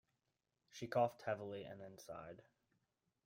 She coughed heavily and then sighed.